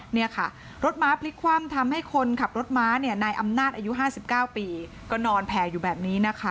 เนี้ยข้ารถม้าพลิกคว่ำทำให้คนขับรถม้าน้อยอำนาจอายุ๕๙ปีก็นอนแผงอยู่แบบนี้